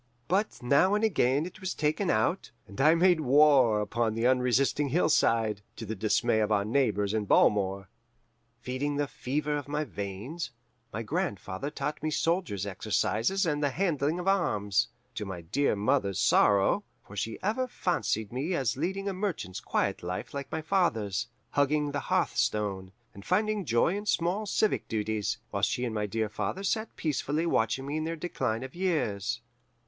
But now and again it was taken out, and I made war upon the unresisting hillside, to the dismay of our neighbours in Balmore. Feeding the fever in my veins, my grandfather taught me soldiers' exercises and the handling of arms: to my dear mother's sorrow, for she ever fancied me as leading a merchant's quiet life like my father's, hugging the hearthstone, and finding joy in small civic duties, while she and my dear father sat peacefully watching me in their decline of years.